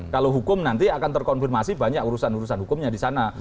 kalau hukum nanti akan terkonfirmasi banyak urusan urusan hukumnya di sana